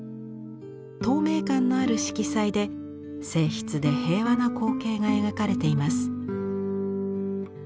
透明感のある色彩で静謐で平和な光景が描かれています。